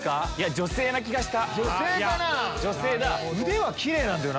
女性な気がした。